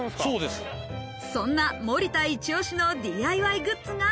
そんな森田いち押しの、ＤＩＹグッズが。